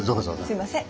すいません。